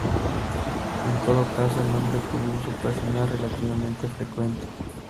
En todo caso, el nombre tuvo uso personal relativamente frecuente.